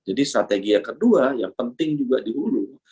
jadi strategi yang kedua yang penting juga dihulu